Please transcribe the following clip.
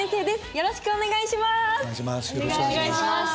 よろしくお願いします。